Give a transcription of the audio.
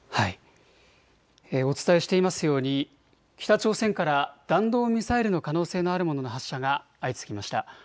お伝えしていますように北朝鮮から弾道ミサイルの可能性のあるものの発射が相次ぎました。